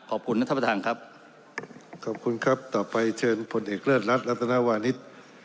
ขอบคุณนะท่านประธานครับขอบคุณครับต่อไปเชิญผลเอกเลิศรัฐรัตนาวานิส